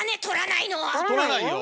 取らないよ。